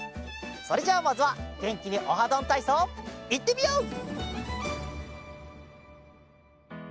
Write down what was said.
それじゃあまずはげんきに「オハどんたいそう」いってみよう！